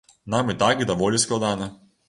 Нам і так даволі складана.